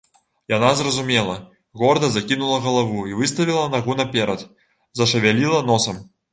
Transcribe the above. Яна зразумела, горда закінула галаву і выставіла нагу наперад, зашавяліла носам.